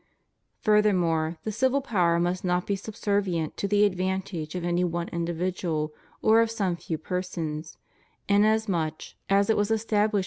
Furthermore, the civil power must not be subservient to the advantage of any one individual or of some few persons, inasmuch as it was established ^ Rom.